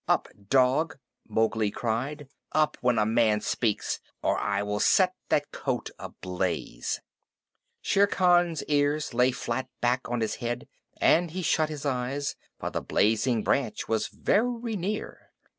"Up, dog!" Mowgli cried. "Up, when a man speaks, or I will set that coat ablaze!" Shere Khan's ears lay flat back on his head, and he shut his eyes, for the blazing branch was very near.